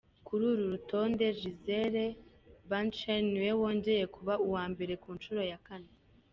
Kuri uru rutonde, Gisele Bündchen niwe wongeye kuba uwa mbere ku nshuro ya kane.